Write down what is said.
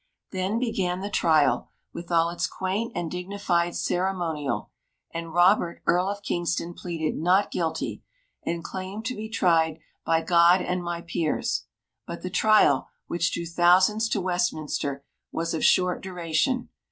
Then began the trial, with all its quaint and dignified ceremonial; and Robert, Earl of Kingston, pleaded "Not Guilty," and claimed to be tried "by God and my Peers." But the trial, which drew thousands to Westminster, was of short duration.